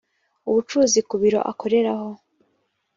ubucuruzi ku biro akoreraho